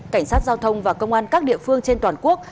cảnh sát giao thông và công an các địa phương trên toàn quốc